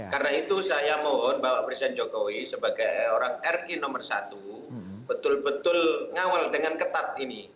karena itu saya mohon bapak presiden jokowi sebagai orang rg nomor satu betul betul mengawal dengan ketat ini